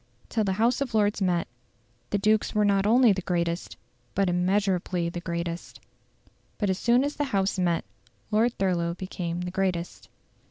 Till the House of Lords met, the dukes were not only the greatest, but immeasurably the greatest. But as soon as the House met, Lord Thurlow became the greatest.